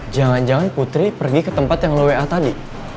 jangan jangan putri pergi ke tempat yang low wa tadi